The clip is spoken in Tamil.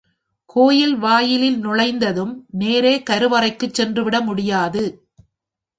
கோயில் வாயிலில் நுழைந்ததும் நேரே கருவறைக்குச் சென்றுவிட முடியாது.